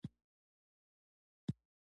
زه چې د خپلې ټولنې نني مشکلات وینم.